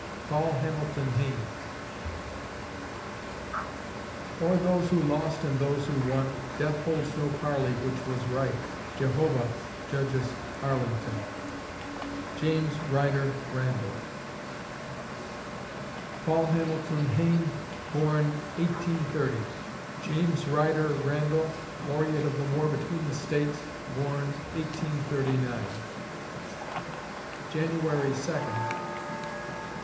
PAUL HAMILTON HAYNE O'er those who lost and those who won, Death holds no parley which was right JEHOVAH judges Arlington. JAMES RYDER RANDALL Paul Hamilton Hayne born, 1830 James Ryder Randall, Laureate of the War between the States, born, 1839 January Second